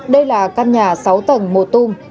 đây là căn nhà sáu tầng một tung